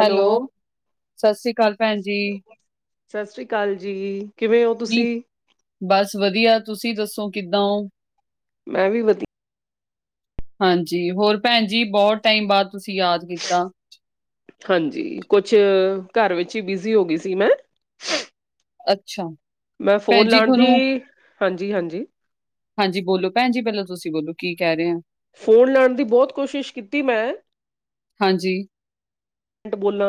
Hello, ਸਸ ਰੀ ਕਾਲ। ਸਸ ਰੀ ਕਾਲ ਜੀ, ਕਿਵੇਂ ਓਂ ਜੀ ਤੁਸੀਂ- ਬਸ ਵਦੀਆਂ ਤੁਸੀਂ ਦੱਸੋ ਕਿੱਦਾਂ ਓਂ। ਮੈਂ ਵੀ ਵਦੀ ਹਾਂਜੀ, ਹੋਰ ਭੈਣ ਜੀ ਬਹੁ ਟਾਈਮ ਬਾਦ ਤੁਸੀਂ ਯਾਦ ਕੀਤਾ। ਹਾਂਜੀ, ਕੁਛ ਘਰ ਵਿੱਚ ਈ ਬਿਜ਼ੀ ਹੋ ਗਈ ਸੀ ਮੈਂ। ਅੱਛਾ। ਮੈਂ ਭੈਣ ਫੋਨ ਜੀ ਲਾਨ ਦੀ, ਤੁਹਾਨੂੰ ਹਾਂਜੀ-ਹਾਂਜੀ। ਹਾਂਜੀ ਬੋਲੋ ਭੈਨ ਜੀ ਪੈਲਾਂ ਤੁਸੀਂ ਬੋਲੋ ਕੀ ਕੈ ਰਏ ਓਂ। ਫੋਨ ਲਾਣ ਦੀ ਬੋਤ ਕੋਸ਼ਿਸ਼ ਕੀਤੀ ਮੈਂ। ਹਾਂਜੀ। [unintelligible] ਬੋਲਾਂ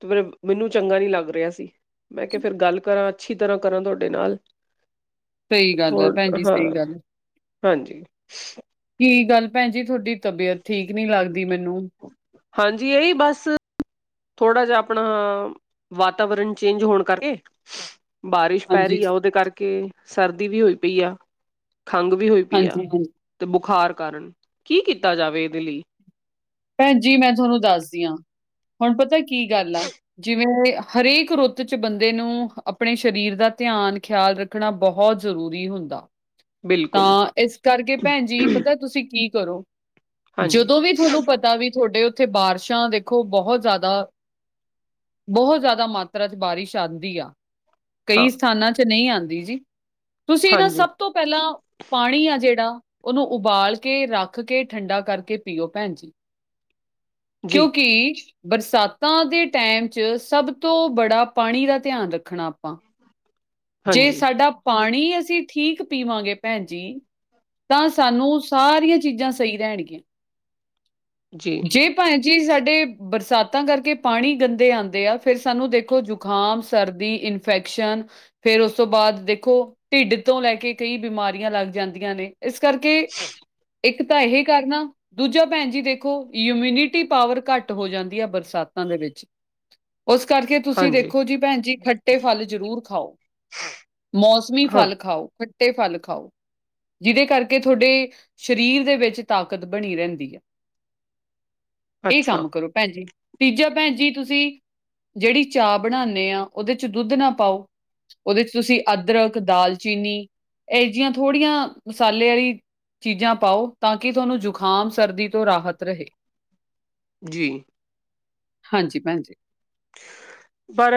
ਤੇ ਫੇਰ ਮੈਨੂੰ ਚੰਗਾ ਨੀ ਲੱਗ ਰਿਆ ਸੀ। ਮੈਂ ਕਿਆ ਫੇਰ ਗੱਲ ਕਰਾਂ ਅੱਛੀ ਤਰ੍ਹਾਂ ਕਰਾਂ ਤੁਆਡੇ ਨਾਲ। ਸਹੀ ਗੱਲ ਆ ਭੈਣ ਥੋੜਾਂ ਜੀ ਹਾਂ, ਸਹੀ ਗੱਲ ਆ। ਹਾਂਜੀ। ਕੀ ਗੱਲ ਭੈਨ ਜੀ ਥੋਡੀ ਤਬੀਅਤ ਠੀਕ ਨੀ ਲੱਗਦੀ ਮੈਨੂੰ। ਹਾਂਜੀ ਏਈ ਬਸ ਥੋੜਾ ਜਾ ਆਪਨਾ ਵਾਤਾਵਰਨ ਚੇਂਜ ਹੋਨ ਕਰਕੇ ਬਾਰਿਸ਼ ਪੈ ਹਾਂਜੀ, ਰਈ ਐ ਓਦੇ ਕਰਕੇ ਸਰਦੀ ਵੀ ਹੋਈ ਪਈ ਆ। ਖੰਘ ਵੀ ਹੋਈ ਪਈ ਆ, ਹਾਂਜੀ, ਹਾਂਜੀ। ਤੇ ਬੁਖਾਰ ਕਾਰਨ ਕੀ ਕੀਤਾ ਜਾਵੇ ਏਦੇ ਲਈ। ਭੈਨ ਜੀ ਮੈਂ ਥੋਨੂੰ ਦੱਸਦੀ ਆਂ, ਹੁਨ ਪਤਾ ਕੀ ਗੱਲ ਆ ਜਿਵੇਂ ਹਰੇਕ ਰੁੱਤ ਚ ਬੰਦੇ ਨੂੰ ਆਪਨੇ ਸਰੀਰ ਦਾ ਧਿਆਨ ਖਿਆਲ ਰੱਖਨਾ ਬਹੁ ਜ਼ਰੂਰੀ ਹੁੰਦਾ। ਬਿਲਕੁਲ ਤਾਂ ਇਸ ਕਰਕੇ ਭੈਨ ਜੀ ਪਤਾ ਤੁਸੀਂ ਕੀ ਕਰੋ, ਹਾਂਜੀ ਜਦੋਂ ਵੀ ਤੁਹਾਨੂੰ ਪਤਾ ਵੀ ਥੋਡੇ ਓਥੇ ਬਾਰਿਸ਼ਾਂ ਦੇਖੋ ਬਹੁ ਜ਼ਾਦਾ ਬਹੁ ਜ਼ਾਦਾ ਮਾਤਰਾ ਚ ਬਾਰਿਸ਼ ਆਂਦੀ ਆ। ਹਾਂ ਕਈ ਸਥਾਨਾਂ ਚ ਨਈ ਆਂਦੀ ਜੀ, ਤੁਸੀਂ ਏਨਾਂ ਹਾਂਜੀ ਸਬ ਤੋਂ ਪੈਲਾਂ- ਪਾਨੀ ਆ ਜੇੜਾ ਓਨੂੰ ਉਬਾਲ ਕੇ ਰੱਖ ਕੇ ਠੰਡਾ ਕਰਕੇ ਪੀਓ ਭੈਨ ਜੀ। ਜੀ ਕਿਓਂਕਿ ਬਰਸਾਤਾਂ ਦੇ ਟੈਮ ਚ ਸਬ ਤੋਂ ਬੜਾ ਪਾਨੀ ਦਾ ਧਿਆਨ ਰੱਖਨਾ ਆਪਾਂ। ਜੇ ਹਾਂਜੀ ਸਾਡਾ ਪਾਨੀ ਅਸੀਂ ਠੀਕ ਪੀਵਾਂਗੇ ਭੈਨ ਜੀ ਤਾਂ ਸਾਨੂੰ ਸਾਰੀਆਂ ਚੀਜ਼ਾਂ ਸਈ ਰਹਿਗੀਆਂ, ਜੀ ਜੇ ਭੈਨ ਜੀ ਸਾਡੇ ਬਰਸਾਤਾਂ ਕਰਕੇ ਪਾਨੀ ਗੰਦੇ ਆਂਦੇ ਆ ਫੇਰ ਸਾਨੂੰ ਦੇਖੋ ਜ਼ੁਖਾਮ ਸਰਦੀ ਇਨ ਫੈਕਸ਼ਨ ਫੇਰ ਓਸ ਤੋਂ ਬਾਦ ਦੇਖੋ ਢਿੱਡ ਤੋਂ ਲੈ ਕੇ ਕਈ ਬਿਮਾਰੀਆਂ ਲੱਗ ਜਾਂਦੀਆਂ ਨੇ। ਏਸ ਕਰਕੇ ਇੱਕ ਤਾਂ ਏਹੇ ਕਰਨਾ ਦੂਜਾ ਭੈਨ ਜੀ ਦੇਖੋ ਯੂਮੀਨਿਟੀ ਪਾਵਰ ਘੱਟ ਹੋ ਜਾਂਦੀ ਐ ਬਰਸਾਤਾਂ ਦੇ ਵਿੱਚ। ਉਸ ਕਰਕੇ ਤੁਸੀਂ ਹਾਂਜੀ ਦੇਖੋ ਜੀ ਭੈਨ ਜੀ ਖੱਟੇ ਫਲ ਜ਼ਰੂਰ ਖਾਓ। ਮੌਸਮੀ ਹਾਂ ਫਲ ਖਾਓ, ਖੱਟੇ ਫਲ ਖਾਓ। ਜਿਦੇ ਕਰਕੇ ਥੋਡੇ ਸਰੀਰ ਦੇ ਵਿੱਚ ਤਾਕਤ ਬਨੀ ਰੈਂਦੀ ਐ। ਏ ਅੱਛਾ ਕੰਮ ਕਰੋ। ਭੈਨ ਜੀ ਤੀਜਾ ਭੈਨ ਜੀ ਤੁਸੀਂ ਜੇੜੀ ਚਾਅ ਬਨਾਨੇ ਆਂ ਓਦੇ ਚ ਦੁੱਧ ਨਾ ਪਾਓ। ਓਦੇ ਚ ਤੁਸੀਂ ਅਦਰਕ, ਦਾਲਚੀਨੀ, ਏਹੇ ਜੀਆਂ ਥੋੜ੍ਹੀਆਂ ਮਸਾਲੇ ਆਲੀ ਚੀਜ਼ਾਂ ਪਾਓ ਤਾਂ ਕਿ ਤੁਹਾਨੂੰ ਜ਼ੁਕਾਮ ਸਰਦੀ ਤੋਂ ਰਾਹਤ ਰਹੇ, ਜੀ। ਹਾਂਜੀ, ਭੈਣਜੀ। ਪਰ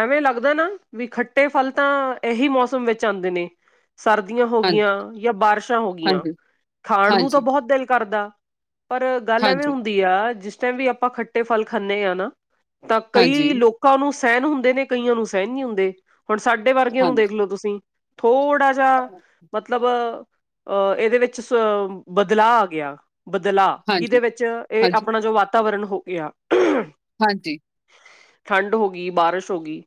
ਐਵੇਂ ਲੱਗਦਾ ਨਾ ਵੀ ਖੱਟੇ ਫਲ ਤਾਂ ਏਹੀ ਮੌਸਮ ਵਿੱਚ ਆਂਦੇ ਨੇ। ਸਰਦੀਆਂ ਹੋ ਹਾਂਜੀ, ਗਈਆਂ ਜਾਂ ਬਾਰਿਸ਼ਾਂ ਹੋ ਗਈਆਂ। ਹਾਂਜੀ, ਖਾਣ ਨੂੰ ਤਾਂ ਹਾਂਜੀ, ਬਹੁਤ ਦਿਲ ਕਰਦਾ ਪਰ ਗੱਲ ਐ ਵੇਂ ਹਾਂਜੀ, ਹੁਣ ਜਾ ਜਿਸ ਟਾਈਮ ਵੀ ਆਪਾਂ ਖੱਟੇ ਫਲ ਖਾਣੇ ਆ ਨਾ ਤਾਂ ਕਈ ਹਾਂਜੀ, ਲੋਕਾਂ ਨੂੰ ਸਹਿਣ ਹੁੰਦੇ ਨੇ ਕਈਆਂ ਨੂੰ ਸਹਿਣ ਨਹੀ ਹੁੰਦੇ। ਹੁਣ ਸਾਡੇ ਵਰਗੇ ਨੂੰ ਹਾਂਜੀ, ਦੇਖ ਲੋ ਤੁਸੀਂ ਥੋੜਾ ਜਾ ਮਤਲਬ ਅਹ ਇਹਦੇ ਵਿੱਚ ਬਦਲਾਅ ਆ ਗਿਆ ਬਦਲਾਅ ਕੀ ਦੇ ਹਾਂਜੀ, ਵਿੱਚ ਇਹ ਹਾਂਜੀ, ਆਪਣਾ ਜੋ ਵਾਤਾਵਰਨ ਹੋ ਗਿਆ ਹਾਂਜੀ। ਠੰਡ ਹੋ ਗਈ, ਬਾਰਿਸ਼ ਹੋ ਗਈ,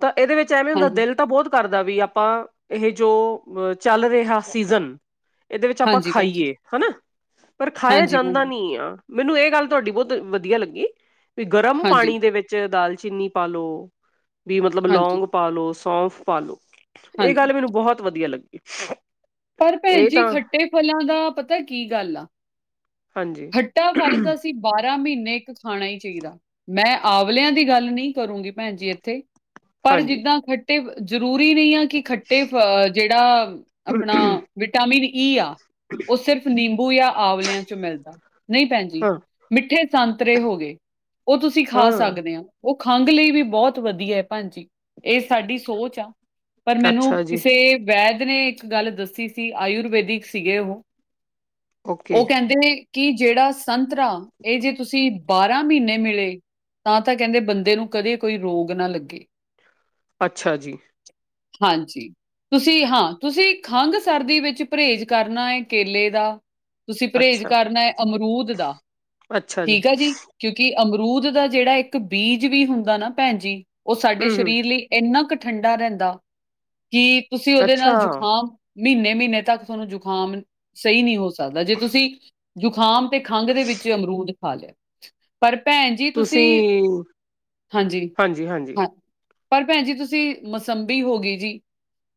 ਤਾਂ ਇਹਦੇ ਵਿੱਚ ਐਵੇਂ ਹੁੰਦਾ ਹਾਂਜੀ, ਦਿਲ ਤਾਂ ਬਹੁਤ ਕਰਦਾ ਵੀ ਆਪਾਂ ਇਹ ਜੋ ਚੱਲ ਰਿਹਾ ਸੀਜਨ ਇਹਦੇ ਵਿੱਚ ਆਪਾਂ ਹਾਂਜੀ ਭੈਣ ਜੀ, ਖਾਈਏ ਹੈਨਾ, ਪਰ ਖਾਇਆ ਹਾਂਜੀ ਭੈਣ ਜਾਂਦਾ ਜੀ, ਨੀ ਆ। ਮੈਨੂੰ ਇਹ ਗੱਲ ਤੁਹਾਡੀ ਬਹੁਤ ਵਧੀਆ ਲੱਗੀ ਵੀ ਗਰਮ ਹਾਂਜੀ, ਪਾਣੀ ਦੇ ਵਿੱਚ ਦਾਲਚੀਨੀ ਪਾ ਲੋ ਵੀ ਮਤਲਬ ਹਾਂਜੀ, ਲੌਂਗ ਪਾ ਲੋ ਸੌਂਫ ਪਾ ਲੋ, ਇਹ ਹਾਂਜੀ। ਗੱਲ ਮੈਨੂੰ ਬਹੁਤ ਵਧੀਆ ਲੱਗੀ। ਪਰ ਭੈਣ ਇਹ ਜੀ ਤਾਂ ਖੱਟੇ ਫਲਾਂ ਦਾ ਪਤਾ ਕੀ ਗੱਲ ਆ ਹਾਂਜੀ ਖੱਟਾ ਫਲ ਤਾਂ ਅਸੀਂ ਬਾਰਾਂ ਮਹੀਨੇ ਇੱਕ ਖਾਣਾ ਹੀ ਚਾਹੀਦਾ ਮੈਂ ਆੰਵਲਿਆਂ ਦੀ ਗੱਲ ਨਹੀ ਕਰੂੰਗੀ ਭੈਣ ਜੀ ਇੱਥੇ ਪਰ ਹਾਂਜੀ ਜਿੱਦਾਂ ਖਟ ਤੇ ਜਰੂਰੀ ਨੀ ਆ ਕਿ ਖੱਟੇ ਫ ਜਿਹੜਾ ਆਪਣਾ ਵਿਟਾਮਿਨ ਈ ਆ, ਉਹ ਸਿਰਫ ਨਿੰਬੂ ਜਾਂ ਆੰਵਲਿਆਂ ਚੋਂ ਮਿਲਦਾ ਨਹੀਂ ਭੈਣਜੀ ਹਾਂ ਮਿੱਠੇ ਸੰਤਰੇ ਹੋ ਗਏ ਉਹ ਤੁਸੀਂ ਖਾ ਹਾਂ ਸਕਦੇ ਓ ਉਹ ਖੰਘ ਲਈ ਵੀ ਬਹੁਤ ਵਧੀਆ ਏ ਭੈਣਜੀ, ਇਹ ਸਾਡੀ ਸੋਚ ਆ ਪਰ ਮੈਨੂੰ ਅੱਛਾ ਜੀ ਕਿਸੇ ਵੈਦ ਨੇ ਇੱਕ ਗੱਲ ਦੱਸੀ ਸੀ ਆਯੁਰਵੈਦਿਕ ਸੀਗੇ ਉਹ ਓ ਓਕੇ ਕਹਿੰਦੇ ਕਿ ਜਿਹੜਾ ਸੰਤਰਾ ਇਹ ਜੇ ਤੁਸੀ ਬਾਰਾਂ ਮਹੀਨੇ ਮਿਲੇ ਤਾਂ ਤਾਂ ਕਹਿੰਦੇ ਬੰਦੇ ਨੂੰ ਕਦੇ ਕੋਈ ਰੋਗ ਨਾ ਲੱਗੇ। ਅੱਛਾ ਜੀ। ਹਾਂਜੀ। ਤੁਸੀਂ ਹਾਂ ਤੁਸੀਂ ਖੰਘ, ਸਰਦੀ ਵਿੱਚ ਪਰਹੇਜ਼ ਕਰਨਾ ਏ ਕੇਲੇ ਦਾ ਤੁਸੀਂ ਪਰਹੇਜ਼ ਅੱਛਾ ਕਰਨਾ ਅਮਰੂਦ ਦਾ, ਠੀਕ ਆ ਜੀ। ਕਿਉਂਕਿ ਅਮਰੂਦ ਦਾ ਜਿਹੜਾ ਇੱਕ ਬੀਜ ਵੀ ਹੁੰਦਾ ਨਾ ਭੈਣ ਜੀ, ਉਹ ਸਾਡੇ ਹੂੰ ਹੂੰ ਸਰੀਰ ਲਈ ਏਨਾ ਕੁ ਠੰਡਾ ਰਹਿੰਦਾ ਕਿ ਤੁਸੀਂ ਉਹਦੇ ਅੱਛਾ ਨਾਲ ਜੁਕਾਮ ਮਹੀਨੇ ਮਹੀਨੇ ਤੱਕ ਜ਼ੁਕਾਮ ਸਹੀ ਨਹੀ ਹੋ ਸਕਦਾ ਜੇ ਤੁਸੀਂ ਜ਼ੁਕਾਮ ਤੇ ਖੰਘ ਦੇ ਵਿੱਚ ਅਮਰੂਦ ਖਾ ਲਿਆ। ਪਰ ਭੈਣ ਜੀ ਤੁਸੀਂ, ਹਾਂਜੀ ਹਾਂ ਪਰ ਭੈਣ ਜੀ ਤੁਸੀਂ ਮਸੰਬੀ ਹੋਗੀ ਜੀ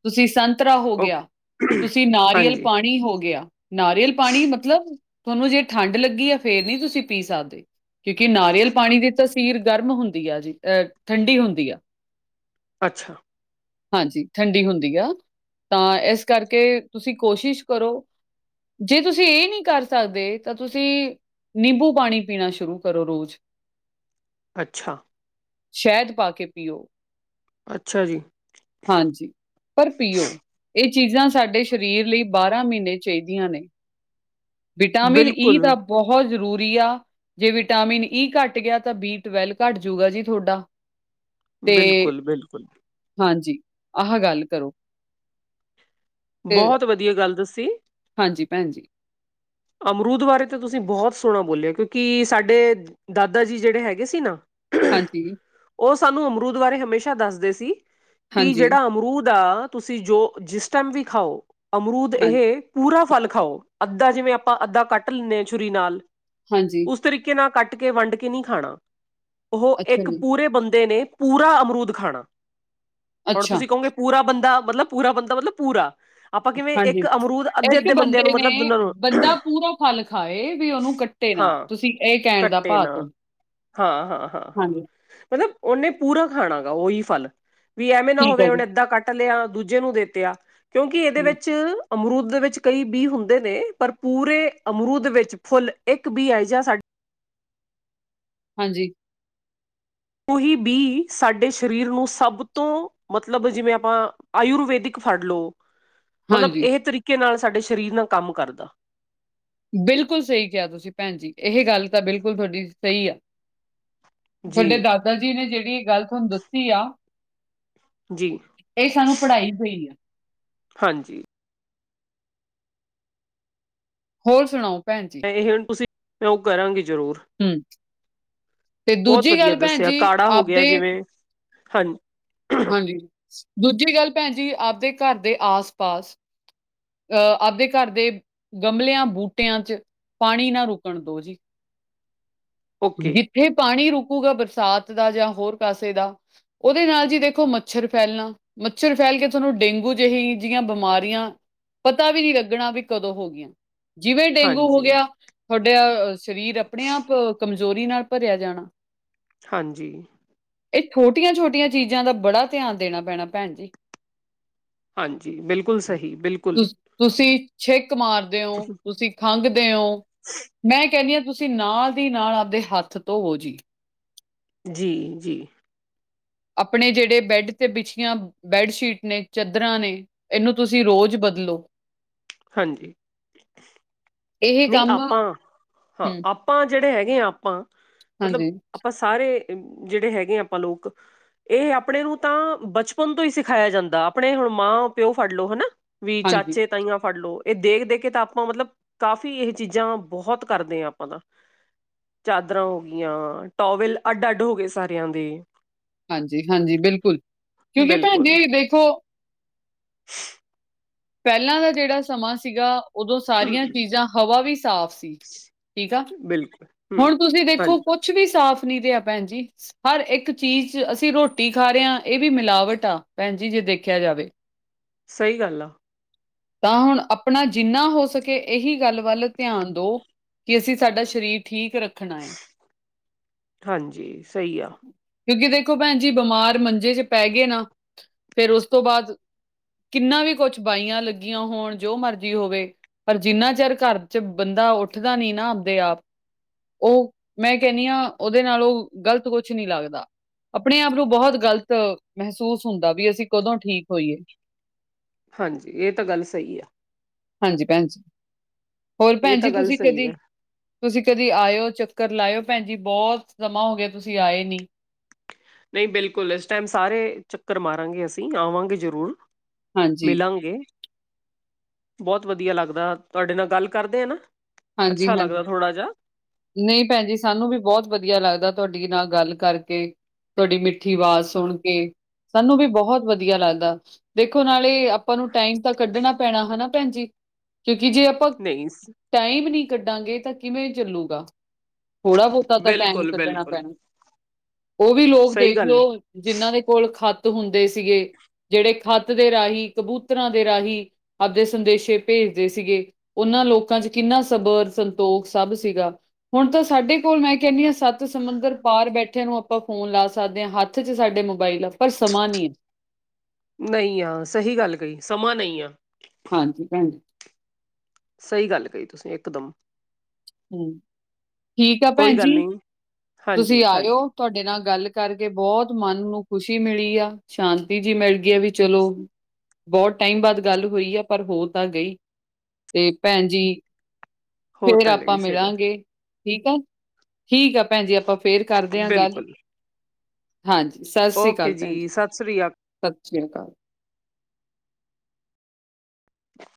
ਤੁਸੀਂ ਸੰਤਰਾ ਹੋ ਗਿਆ, ਓਕੇ ਤੁਸੀਂ ਨਾਰੀਅਲ ਹਾਂਜੀ ਪਾਣੀ ਹੋ ਗਿਆ ਨਾਰੀਅਲ ਪਾਣੀ ਮਤਲਬ ਤੁਹਾਨੂੰ ਜੇ ਠੰਢ ਲੱਗੀ ਐ ਫੇਰ ਨੀ ਤੁਸੀਂ ਪੀ ਸਕਦੇ। ਕਿਉਂਕਿ ਨਾਰੀਅਲ ਪਾਣੀ ਦੀ ਤਾਸੀਰ ਗਰਮ ਹੁੰਦੀ ਆ ਜੀ ਅਹ ਠੰਡੀ ਹੁੰਦੀ ਆ। ਅੱਛਾ। ਹਾਂਜੀ, ਠੰਡੀ ਹੁੰਦੀ ਆ ਤਾਂ, ਇਸ ਕਰਕੇ ਤੁਸੀ ਕੋਸ਼ਿਸ਼ ਕਰੋ, ਜੇ ਤੁਸੀ ਇਹ ਨਹੀ ਕਰ ਸਕਦੇ ਤਾਂ ਤੁਸ,। ਨਿੰਬੂ ਪਾਣੀ ਪੀਣਾ ਸ਼ੁਰੂ ਕਰੋ ਰੋਜ਼। ਅੱਛਾ। ਸ਼ਹਦ ਪਾ ਕੇ ਪੀਓ। ਅੱਛਾ ਜੀ। ਹਾਂਜੀ, ਪਰ ਪੀਓ, ਇਹ ਚੀਜ਼ਾਂ ਸਾਡੇ ਸਰੀਰ ਲਈ ਬਾਰਾਂ ਮਹੀਨੇ ਚਾਹੀਦੀਆਂ ਨੇ, ਵਿਟਾਮਿਨ- ਈ ਬਿਲਕੁਲ ਦਾ ਬਹੁਤ ਜ਼ਰੂਰੀ ਆ ਜੇ ਵਿਟਾਮਿਨ ਈ ਘੱਟ ਗਿਆ ਤਾਂ, ਬੀ ਟਵੈਲਵ ਘੱਟ ਜੂਗਾ ਜੀ ਤੁਹਾਡਾ। ਤੇ ਬਿਲਕੁਲ -ਬਿਲਕੁਲ। ਹਾਂਜੀ, ਆਹਾ ਗੱਲ ਕਰੋ। ਤੇ ਬਹੁਤ ਵਧੀਆ ਗੱਲ ਦੱਸੀ। ਹਾਂਜੀ ਭੈਣ ਜੀ। ਅਮਰੂਦ ਬਾਰੇ ਤਾਂ ਤੁਸੀਂ ਬਹੁਤ ਸੋਹਣਾ ਬੋਲਿਆ ਕਿਉਂਕਿ ਸਾਡੇ ਦਾਦਾ ਜੀ ਜਿਹੜੇ ਹੈਗੇ ਸੀ ਨਾ ਹਾਂਜੀ। ਉਹ ਸਾਨੂੰ ਅਮਰੂਦ ਬਾਰੇ ਹਮੇਸ਼ਾ ਦੱਸਦੇ ਸੀ, ਕਿ ਹਾਂਜੀ, ਜਿਹੜਾ ਅਮਰੂਦ ਆ, ਤੁਸੀਂ ਜੋ ਜਿਸ ਟਾਈਮ ਵੀ ਖਾਓ ਅਮਰੂਦ ਹਾਂ ਇਹ ਪੂਰਾ ਫਲ ਖਾਓ ਅੱਧਾ ਜਿਵੇਂ ਆਪਾਂ ਅੱਧਾ ਕੱਟ ਲੈਂਦੇ ਹਾਂ ਛੂਰੀ ਨਾਲ, ਹਾਂਜੀ। ਉਸ ਤਰੀਕੇ ਨਾਲ ਕੱਟ ਕੇ, ਵੱਡ ਕੇ, ਨਹੀਂ ਖਾਣਾ ਉਹ ਅੱਛਾ ਇੱਕ ਜੀ, ਪੂਰੇ ਬੰਦੇ ਨੇ, ਪੂਰਾ ਅਮਰੂਦ ਖਾਣਾ, ਹੁਣ ਅੱਛਾ, ਤੁਸੀਂ ਕਹੋਗੇ ਪੂਰਾ ਬੰਦਾ, ਮਤਲਬ ਪੂਰਾ ਬੰਦਾ, ਮਤਲਬ ਪੂਰਾ, ਆਪਾਂ ਕਿਵੇਂ ਇੱਕ ਹਾਂਜੀ। ਅਮਰੂਦ ਅਧੇ ਇੱਕ -ਅਧੇੰ ਬੰਦਿਆਂ ਨੂੰ ਬੰਦੇ ਮਤਲਬ ਨੇ ਦੋਨਾਂ ਨੂੰ, ਬੰਦਾ ਪੂਰਾ ਫਲ ਖਾਏ ਵੀ,, ਉਹਨੂੰ ਕੱਟੇ ਹਾਂ ਨਾ ਤੁਸੀਂ ਇਹ ਕਹਿਣ ਦਾ ਕੱਟੇ ਭਾਞ ਨਾ ਦੋ ਹਾਂ ਹਾਂ ਹਾਂ ਮਤਲਬ ਉਹਨੇ ਪੂਰਾ ਖਾਣਾ ਗਾ ਉਹੀ ਫਲ। ਵੀ ਐਵੇਂ ਨਾ ਠੀਕ ਹੋਵੇ ਆ ਹੁਣ ਅੱਦਾਂ ਕੱਟ ਲਿਆ ਦੂਜੇ ਨੂੰ ਦੇਤਾਿਆ ਕਿਉਂਕਿ ਇਹਦੇ ਜੀ, ਵਿੱਚ ਅਮਰੂਦ ਦੇ ਵਿੱਚ ਕਈ ਬੀ ਹੁੰਦੇ ਨੇ, ਪਰ ਪੂਰੇ ਅਮਰੂਦ ਵਿੱਚ ਫੁੱਲ ਇੱਕ ਬੀਆਿਹਾ ਸਾਡਾ। ਹਾਂਜੀ। ਉਹੀ ਬੀ ਸਾਡੇ ਸ਼ਰੀਰ ਨੂੰ ਸਭ ਤੋਂ ਮਤਲਬ ਜਿਵੇਂ ਆਪਾਂ ਆਯੁਰਵੇੈਦਿਕ ਫੜ ਲਓ ਮਤਲਬ ਹਾਂਜੀ। ਇਹ ਤਰੀਕੇ ਨਾਲ ਸਾਡੇ ਸ਼ਰੀਰ ਨਾਲ ਕੰਮ ਕਰਦਾ। ਬਿਲਕੁਲ ਸਹੀ ਕਿਹਾ ਤੁਸੀਂ ਭੈਣ ਜੀ, ਇਹ ਗੱਲ ਤਾਂ ਬਿਲਕੁਲ ਤੁਹਾਡੀ ਸਹੀ ਆ। ਤੁਹਾਡੇ ਜੀ, ਦਾਦਾ ਜੀ ਨੇ ਜਿਹੜੀ ਏ ਗੱਲ ਤੁਹਾਨੂੰ ਦੱਸੀ ਆ ਜੀ। ਇਹ ਸਾਨੂੰ ਪੜ੍ਹਾਈ ਹੋਈ ਏ, ਹਾਂਜੀ। ਹੋਰ ਸੁਣਾਓ ਭੈਣ ਜੀ, ਇਹ ਹੁਣ ਤੁਸੀਂ ਤੇ ਉਹ ਕਰਨਗੇ ਜ਼ਰੂਰ। ਹੁ ਤੇ ਬਹੁਤ ਦੂਜੀ ਵਧੀਆ ਗੱਲ ਭੈਣ ਜੀ, ਆਪਦੇ ਹਾਂਜੀ। ਹਾਂਜੀ ਦੂਜੀ ਗੱਲ ਭੈਣ ਜੀ, ਆਪਦੇ ਘਰ ਦੇ ਆਸ ਪਾਸ। ਅਹ ਆਪਦੇ ਘਰ ਦੇ ਗਮਲਿਆਂ, ਬੂਟਿਆਂ ਚ ਪਾਣੀ ਨਾ ਰੁਕਣ ਦੋ ਜੀ। ਓਕੇ ਜਿੱਥੇ ਪਾਣੀ ਰੁਕੂਗਾ ਬਰਸਾਤ ਦਾ ਜਾਂ ਹੋਰ ਕਾਸੇ ਦਾ। ਉਹਦੇ ਨਾਲ ਜੀ ਦੇਖੋ ਮੱਛਰ ਫੈਲਣਾ, ਮੱਛਰ ਫੈਲ ਕੇ ਤੁਹਾਨੂੰ ਡੇਂਗੂ ਜੇਹੀ, ਜਿਹੀਆਂ ਬਿਮਾਰੀਆਂ ਪਤਾ ਵੀ ਨਹੀਂ ਲੱਗਣਾ ਵੀ ਕਦੋਂ ਹੋ ਗਈਆਂ। ਜਿਵੇਂ ਡੇਂਗੂ ਹੋ ਹਾਂਜੀ। ਗਿਆ, ਤੁਹਾਡਾ, ਸਰੀਰ ਆਪਣੇ ਆਪ ਕਮਜ਼ੋਰੀ ਨਾਲ ਭਰਿਆ ਜਾਣਾ। ਹਾਂਜੀ। ਇਹ ਛੋਟੀਆਂ -ਛੋਟੀਆਂ ਚੀਜ਼ਾਂ ਦਾ ਬੜਾ ਧਿਆਨ ਦੇਣਾ ਪੈਣਾ, ਭੈਣ ਜੀ। ਹਾਂਜੀ, ਬਿਲਕੁਲ ਸਹੀ, ਬਿਲਕੁਲ। ਤੁਸ ਤੁਸੀਂ ਛਿੱਕ ਮਾਰਦੇ ਹੋ, ਤੁਸੀਂ ਖੰਘਦੇ ਹੋ, ਮੈਂ ਕਹਿੰਦੀ ਹਾਂ ਤੁਸੀਂ ਤੁਸੀਂ ਨਾਲ ਦੀ ਨਾਲ, ਆਪਦੇ ਹੱਥ ਧੋਵੋ ਜੀ। ਜੀ- ਜੀ। ਆਪਣੇ ਜਿਹੜੇ ਬੈਡ ਤੇ ਵਿਛੀਆਂ, ਬੈਡਸ਼ੀਟ ਨੇ, ਚਾਦਰਾਂ ਨੇ ਇਹਨੂੰ ਤੁਸੀਂ ਰੋਜ਼ ਬਦਲੋ। ਹਾਂਜੀ। ਇਹ ਨਹੀਂ ਕੰਮ ਆਪਾਂ, ਹਾਂ ਹੂੰ, ਆਪਾਂ ਜਿਹੜੇ ਹੈਗੇ ਹ ਆਪਾਂ, ਮਤਲਬ ਹਾਂਜੀ, ਆਪਾਂ ਸਾਰੇ, ਜਿਹੜੇ ਹੈਗੇ ਆ ਆਪਾਂ ਲੋਕ ਇਹ ਆਪਣੇ ਨੂੰ, ਤਾਂ ਬਚਪਨ ਤੋਂ ਹੀ ਸਿਖਾਇਆ ਜਾਂਦਾ, ਆਪਣੇ ਹੁਣ ਮਾਂ -ਪਿਓ ਫੜ ਲਓ ਹਨਾ ਵੀ ਹਾਂਜੀ, ਚਾਚੇ -ਤਾਈਆਂ ਫੜ ਲੋ, ਇਹ ਦੇਖ, ਦੇਖ ਤਾਂ ਆਪਾਂ ਮਤਲਬ ਕਾਫ਼ੀ ਇਹ ਚੀਜ਼ਾਂ, ਬਹੁਤ ਕਰਦੇ ਹਾਂ ਆਪਾਂ ਦਾ ਚਾਦਰਾਂ ਹੋ ਗਈਆਂ, ਟੋਵਲ ਅੱਡ, ਅੱਡ ਹੋ ਗਏ ਸਾਰਿਆਂ ਦੇ ਹਾਂਜੀ- ਹਾਂਜੀ ਬਿਲਕੁਲ ਕਿਉਂਕਿ ਭੈਣ ਬਿਲਕੁਲ ਜੀ ਦੇਖੋ [inaudible] ਪਹਿਲਾਂ ਦਾ ਜਿਹੜਾ ਸਮਾਂ ਸੀਗਾ। ਉਦੋਂ ਸਾਰੀਆਂ ਚੀਜ਼ਾਂ, ਹਵਾ ਵੀ ਸਾਫ਼ ਠੀਕ ਆ ਬਿਲਕੁਲ ਹੂੰ ਹੁਣ ਤੁਸੀਂ ਦੇਖੋ ਹਾਂਜੀ ਕੁਛ ਵੀ ਸਾਫ਼ ਨੀ ਰਿਹਾ ਆ ਭੈਣ ਜੀ ਹਰ ਇੱਕ ਚੀਜ਼, ਅਸੀਂ ਰੋਟੀ ਖਾ ਰਹੇ ਹਾਂ ਇਹ ਵੀ ਮਿਲਾਵਟ ਆ ਭੈਣ ਜੀ ਜੇ ਦੇਖਿਆ ਜਾਵੇ ਸਹੀ ਗੱਲ ਆ ਤਾਂ ਹੁਣ ਆਪਣਾ ਜਿੰਨਾ ਹੋ ਸਕੇ, ਇਹੀ ਗੱਲ ਵੱਲ ਧਿਆਨ ਦਉ ਕਿ ਅਸੀਂ, ਸਾਡਾ ਸਰੀਰ ਠੀਕ ਰੱਖਣਾ ਹੈ। ਹਾਂਜੀ ਸਹੀ ਆ ਕਿਉਂਕਿ ਦੇਖੋ ਭੈਣ ਜੀ ਬਿਮਾਰ ਮੰਜੇ 'ਚ ਪੈ ਗਏ ਨਾ ਫਿਰ ਉਸ ਤੋਂ ਬਾਅਦ ਕਿੰਨਾ ਵੀ ਕੁਛ ਬਾਈਆਂ ਲੱਗੀਆਂ ਹੋਣ, ਜੋ ਮਰਜ਼ੀ ਹੋਵੇ ਪਰ ਜਿੰਨਾ ਚਿਰ, ਘਰ 'ਚ ਬੰਦਾ ਉੱਠਦਾ ਨੀ ਨਾ ਆਪਦੇ ਆਪ ਉਹ ਮੈਂ ਕਹਿੰਦੀ ਹਾਂ ਉਹਦੇ ਨਾਲ ਉਹ ਗ਼ਲਤ ਕੁਛ ਨਹੀਂ ਲੱਗਦਾ ਆਪਣੇ ਆਪ ਨੂੰ ਬਹੁਤ ਗ਼ਲਤ ਮਹਿਸੂਸ ਹੁੰਦਾ ਵੀ ਅਸੀਂ ਕਦੋਂ ਠੀਕ ਹੋਈਏ ਹਾਂਜੀ। ਇਹ ਤਾਂ ਗੱਲ ਸਹੀ ਆ। ਹਾਂਜੀ ਭੈਣ ਜੀ ਹੋਰ ਇਹ ਭੈਣ ਤਾਂ ਜੀ ਗੱਲ ਤੁਸੀਂ ਸਹੀ ਕਦੀ ਹੈ ਤੁਸੀਂ ਕਦੀ ਆਇਓ ਚੱਕਰ ਲਾਇਓ, ਭੈਣ ਜੀ ਬਹੁਤ ਸਮਾਂ ਹੋ ਗਿਆ ਤੁਸੀਂ ਆਏ ਨੀ ਨਹੀਂ ਬਿਲਕੁਲ ਇਸ ਟਾਈਮ ਸਾਰੇ ਚੱਕਰ ਮਾਰਾਂਗੇ ਅਸੀਂ ਆਵਾਂਗੇ ਜ਼ਰੂਰ ਹਾਂਜੀ ਮਿਲਾਂਗੇ ਬਹੁਤ ਵਧੀਆ ਲੱਗਦਾ, ਤੁਹਾਡੇ ਨਾਲ ਗੱਲ ਕਰਦੇ ਨਾ ਹਾਂਜੀ, ਅੱਛਾ ਹਾਂਜੀ। ਲੱਗਦਾ ਥੋੜਾ ਜਿਹਾ ਨਹੀਂ ਭੈਣ ਜੀ, ਸਾਨੂੰ ਵੀ ਬਹੁਤ ਵਧੀਆ ਲੱਗਦਾ ਤੁਹਾਡੀ ਨਾਲ ਗੱਲ ਕਰਕੇ ਤੁਹਾਡੀ ਮਿੱਠੀ ਆਵਾਜ਼ ਸੁਣ ਕੇ ਸਾਨੂੰ ਵੀ ਬਹੁਤ ਵਧੀਆ ਲੱਗਦਾ, ਦੇਖੋ ਨਾਲੇ ਆਪਾਂ ਨੂੰ ਟਾਈਮ ਤਾਂ ਕੱਢਣਾ ਪੈਣਾ ਹਨਾ ਭੈਣ ਜੀ, ਕਿਉਂਕਿ ਜੇ ਆਪਾਂ ਤੇਈਸ ਟਾਈਮ ਨਹੀਂ ਕੱਢਾਂਗੇ ਤਾਂ ਕਿਵੇਂ ਚੱਲੂਗਾ ਥੋੜ੍ਹਾ ਬਹੁਤਾ ਤਾਂ ਟਾਈਮ ਬਿਲਕੁਲ ਕੱਢਣਾ ਬਿਲਕੁਲ ਪੈਣਾ ਉਹ ਵੀ ਲੋਕ ਸਹੀ ਦੇਖ ਗੱਲ ਹੈ ਲਓ ਜਿੰਹਨਾਂ ਦੇ ਕੋਲ ਖੱਤ ਹੁੰਦੇ ਸੀਗੇ ਜਿਹੜੇ ਖੱਤ ਦੇ ਰਾਹੀਂ, ਕਬੂਤਰਾਂ ਦੇ ਰਾਹੀਂ ਆਪਦੇ ਸੰਦੇਸ਼ੇ ਭੇਜਦੇ ਸੀਗੇ, ਉਹਨਾਂ ਲੋਕਾਂ 'ਚ ਕਿੰਨਾ ਸਬਰ, ਸੰਤੋਖ ਸਭ ਸੀਗਾ ਹੁਣ ਤਾਂ ਸਾਡੇ ਕੋਲ ਮੈਂ ਕੈਨੀ ਹਾਂ ਸੱਤ ਸਮੁੰਦਰ ਪਾਰ ਬੈਠੇ ਨੂੰ ਆਪਾਂ ਫ਼ੋਨ ਲਾ ਸਕਦੇ ਹਾਂ ਹੱ ਹੱਥ 'ਚ ਸਾਡੇ ਮੋਬਾਈਲ ਆ ਪਰ ਸਮਾਂ ਨੀ ਐ ਨਈ ਆ ਸਹੀ ਗੱਲ ਕਈ ਸਮਾਂ ਨਈ ਆ ਹਾਂਜੀ ਭੈਣ ਸਈ ਗੱਲ ਕਈ ਤੁਸੀਂ ਇਕਦਮ ਹੂੰ, ਠੀਕ ਆ ਕੋਈ ਭੈਣ ਜੀ, ਗੱਲ ਨਹੀਂ ਤੁਸੀਂ ਹਾਂਜੀ ਹਾਂਜੀ ਆਇਓ ਤੁਆਡੇ ਨਾ ਗੱਲ ਕਰਕੇ ਬੋਤ ਮਨ ਨੂੰ ਖ਼ੁਸ਼ੀ ਮਿਲੀ ਆ ਸ਼ਾਂਤੀ ਜੀ ਮਿਲਗੀ ਐ ਵੀ ਚਲੋ ਬੌਤ ਟਾਈਮ ਬਾਅਦ ਗੱਲ ਹੋਈ ਆ ਪਰ ਹੋ ਤਾਂ ਗਈ ਤੇ ਭੈਣ ਜੀ ਹੋ ਫੇਰ ਤਾਂ ਆਪਾਂ ਗਈ ਸਈ ਆ ਮਿਲਾਂਗੇ ਠੀਕ ਆ ਠੀਕ ਆ ਭੈਣ ਜੀ ਆਪਾਂ ਫੇਰ ਕਰਦੇ ਆ ਗੱਲ ਬਿਲਕੁਲ ਹਾਂਜੀ। ਸਸ ਸ੍ਰੀ ਅਕਾਲ ਓਕੇ ਭੈਣ ਜੀ ਸਤਿ ਸ੍ਰੀ ਅਕਾਲ ਸਸਸ੍ਰੀ ਅਕਾਲ।